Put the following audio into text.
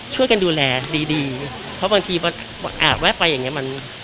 ช่วยกันดูแลดีเพราะบางทีอาจแวะไปอย่างนี้